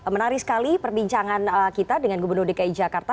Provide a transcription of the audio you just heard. menarik sekali perbincangan kita dengan gubernur dki jakarta